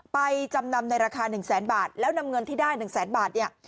จำนำในราคา๑แสนบาทแล้วนำเงินที่ได้๑แสนบาทเนี่ย